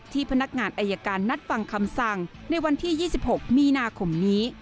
พนักงานอายการนัดฟังคำสั่งในวันที่๒๖มีนาคมนี้